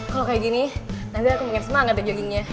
kalo kayak gini nanti aku pengen semangat deh joggingnya